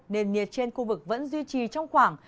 nền nhiệt trên khu vực vẫn duy trì trong khoảng